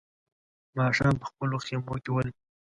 ماښام په خپلو خيمو کې ول.